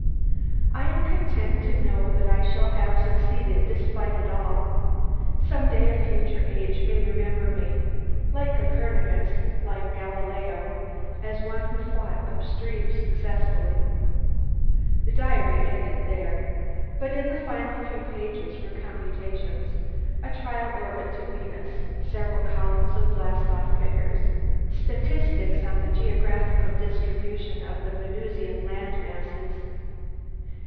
I am content to know that I shall have succeeded despite it all. Some day a future age may remember me, like Copernicus, like Galileo, as one who fought upstream successfully." The diary ended there. But in the final few pages were computations a trial orbit to Venus, several columns of blastoff figures, statistics on geographical distribution of the Venusian landmasses.